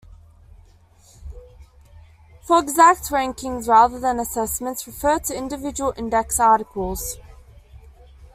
For exact rankings rather than assessments, refer to the individual index articles.